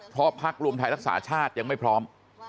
เพราะพักรวมไทยรักษาชาติยังไม่พร้อม